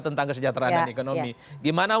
tentang kesejahteraan dan ekonomi gimana